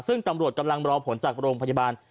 ซึ่งตำรวจกำลังรอผลจากโรงพยาบาล